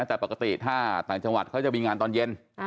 แต่ปกติถ้าต่างจังหวัดเขาจะมีงานตอนเย็น